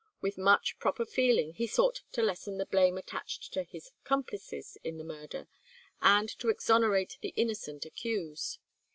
With much proper feeling he sought to lessen the blame attached to his accomplices in the murder, and to exonerate the innocent accused.